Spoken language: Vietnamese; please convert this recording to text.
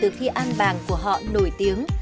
từ khi an bàng của họ nổi tiếng